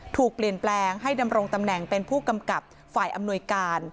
ถูกเปลี่ยนแปลงให้ดำรงตำแหน่งเป็นผู้กำกับฝ่ายอำนวยการ